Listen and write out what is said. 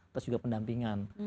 terus juga pendampingan